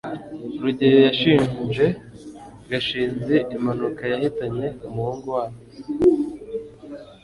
rugeyo yashinje gashinzi impanuka yahitanye umuhungu wabo